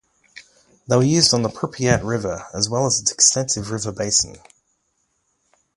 They were used on the Pripiat River, as well as its extensive river basin.